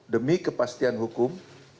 demi kepastian hukum